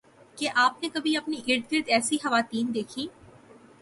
کیا آپ نے کبھی اپنی اررگرد ایسی خواتین دیکھیں